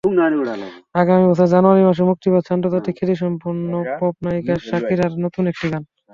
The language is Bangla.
আগামী বছরের জানুয়ারি মাসে মুক্তি পাচ্ছে আন্তর্জাতিক খ্যাতিসম্পন্ন পপগায়িকা শাকিরার নতুন একটি গান।